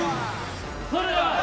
・それでは。